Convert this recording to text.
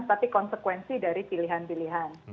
tapi konsekuensi dari pilihan pilihan